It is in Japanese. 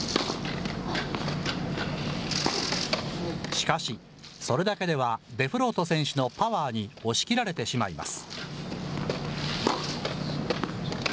しかし、それだけではデフロート選手のパワーに押し切られてしまいます。